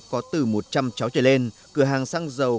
có từ một trăm linh cháu trở lên cửa hàng xăng dầu